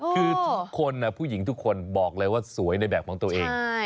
คือทุกคนผู้หญิงทุกคนบอกเลยว่าสวยในแบบของตัวเอง